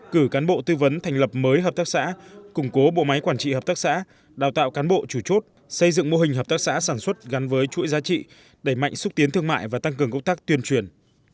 cử cán bộ tư vấn thành lập mới hợp tác xã củng cố bộ máy quản trị hợp tác xã đào tạo cán bộ chủ chốt xây dựng mô hình hợp tác xã sản xuất gắn với chuỗi giá trị đẩy mạnh xúc tiến thương mại và tăng cường công tác tuyên truyền